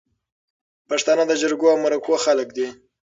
پښتانه د جرګو او مرکو خلک دي